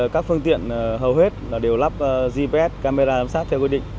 các phương tiện hầu hết đều lắp gps camera giám sát theo quy định